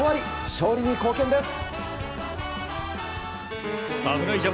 勝利に貢献です。